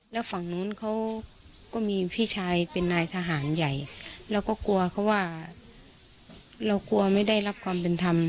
แล้วฝั่งนู้นเขาก็มีพี่ชายเป็นนายทหารใหญ่เราก็กลัวเขาว่าเรากลัวไม่ได้รับความเป็นธรรม